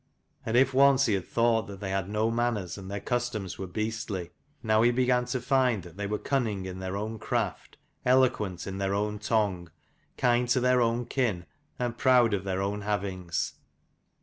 And if once he had thought that they had no manners, and their customs were beastly, now he began to find that they were cunning in their own craft, eloquent in their own tongue, kind to their own kin, and proud of their own havings.